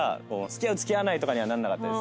付き合う付き合わないとかにはならなかった。